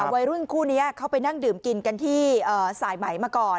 วัยรุ่นคู่นี้เขาไปนั่งดื่มกินกันที่สายไหมมาก่อน